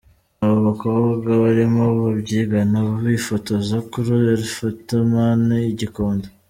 Aha abakobwa barimo babyigana bifotoza kuri Elephantman i Gikondo.